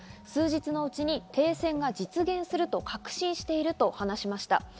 数日のうちに停戦が実現すると確信していると話しました。